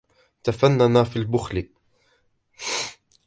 تفنن في البخل